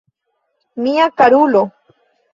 Mia karulo!